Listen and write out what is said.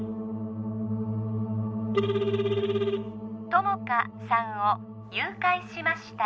友果さんを誘拐しました